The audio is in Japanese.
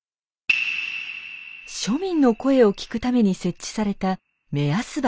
庶民の声を聞くために設置された目安箱。